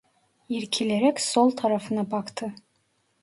İrkilerek sol tarafına baktı.